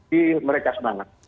di mereka semangat